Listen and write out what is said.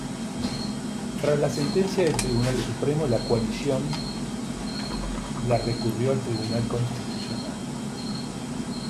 Tras la sentencia del Tribunal Supremo la coalición la recurrió al Tribunal Constitucional.